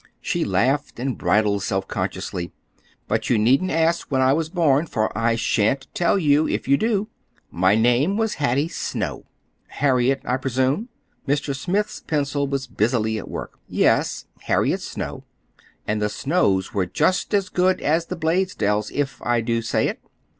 She laughed and bridled self consciously. "But you needn't ask when I was born, for I shan't tell you, if you do. My name was Hattie Snow." "'Harriet,' I presume." Mr. Smith's pencil was busily at work. "Yes—Harriet Snow. And the Snows were just as good as the Blaisdells, if I do say it.